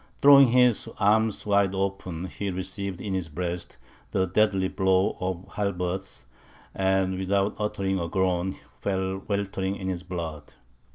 Throwing his arms wide open, he received in his breast, the deadly blow of the halberds, and without uttering a groan, fell weltering in his blood.